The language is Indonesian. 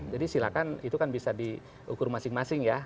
jadi silahkan itu kan bisa diukur masing masing ya